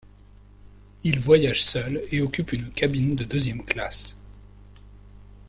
Il voyage seul et occupe une cabine de deuxième classe.